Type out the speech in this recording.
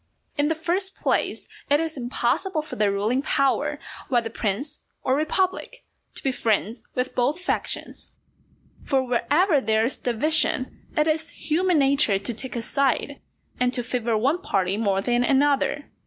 In the first place, it is impossible for the ruling power, whether prince or republic, to be friends with both factions. For wherever there is division, it is human nature to take a side, and to favour one party more than another.